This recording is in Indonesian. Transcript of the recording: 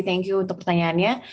thank you untuk pertanyaannya